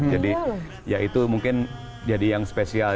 jadi ya itu mungkin jadi yang spesial